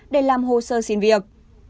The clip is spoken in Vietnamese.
để làm hồ sơ xin việc